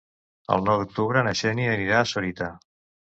El nou d'octubre na Xènia anirà a Sorita.